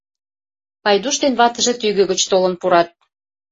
Пайдуш ден ватыже тӱгӧ гыч толын пурат.